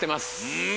うん。